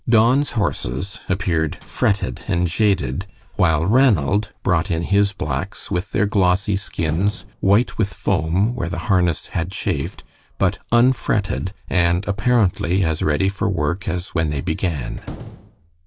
Don's horses appeared fretted and jaded, while Ranald brought in his blacks with their glossy skins white with foam where the harness had chafed, but unfretted, and apparently as ready for work as when they began.